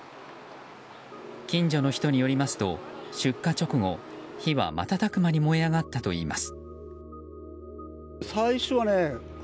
近所の人によりますと出火直後火は瞬く間に燃え上がったといいます。